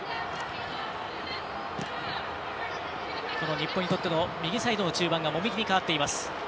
日本にとっての右サイドの中盤が籾木に代わっています。